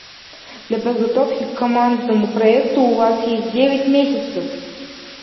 Для подготовки к командному проекту у вас есть девять месяцев.